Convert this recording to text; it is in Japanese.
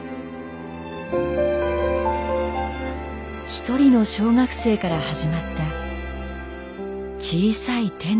一人の小学生から始まった小さい手のリレー。